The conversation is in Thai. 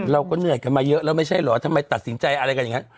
แล้วไม่ใช่หรือทำไมตัดสินใจอะไรกันอย่างนี้